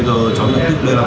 vẫn từ trẻ với đồ